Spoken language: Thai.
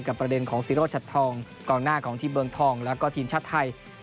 ประเด็นของศิโรชัดทองกองหน้าของทีมเมืองทองแล้วก็ทีมชาติไทย